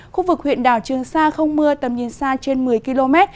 khu vực huyện đảo trường sa không mưa tầm nhìn xa trên một mươi km